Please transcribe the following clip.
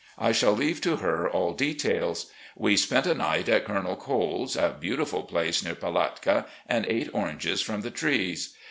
I shall leave to her all details. We spent a night at Colonel Cole's, a beautiful place near Palatka, and ate oranges from the trees.